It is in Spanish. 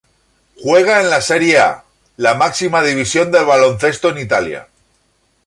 Juega en la Serie A, la máxima división del baloncesto en Italia.